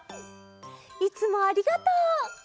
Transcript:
いつもありがとう。